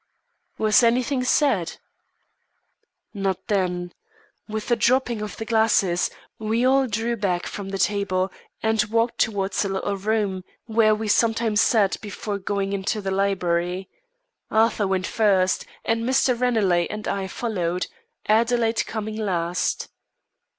"Was anything said?" "Not then. With the dropping of the glasses, we all drew back from the table, and walked towards a little room where we sometimes sat before going into the library. Arthur went first, and Mr. Ranelagh and I followed, Adelaide coming last.